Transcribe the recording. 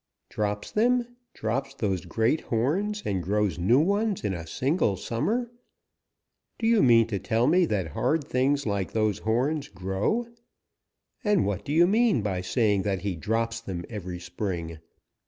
"Drops them! Drops those great horns and grows new ones in a single summer! Do you mean to tell me that hard things like those horns grow? And what do you mean by saying that he drops them every spring?